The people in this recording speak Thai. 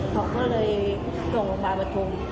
เขาก็เลยส่งออกมาประทม